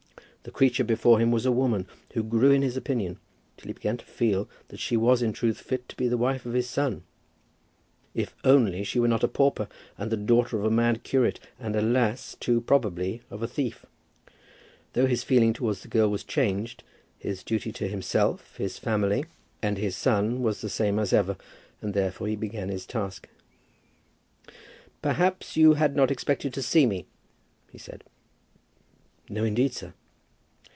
The creature before him was a woman who grew in his opinion till he began to feel that she was in truth fit to be the wife of his son if only she were not a pauper, and the daughter of a mad curate, and, alas! too probably, of a thief. Though his feeling towards the girl was changed, his duty to himself, his family, and his son, was the same as ever, and therefore he began his task. "Perhaps you had not expected to see me?" he said. "No, indeed, sir."